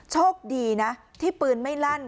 โชคดีนะที่ปืนไม่ลั่น